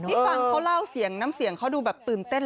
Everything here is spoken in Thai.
ที่ฟังเค้าเล่าเสียงนั้นเสียงเค้าดูตื่นเต้น